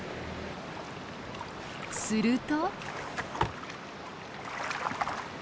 すると。